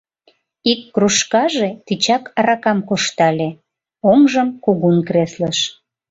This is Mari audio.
Ик кружкаже тичак аракам коштале, оҥжым кугун креслыш...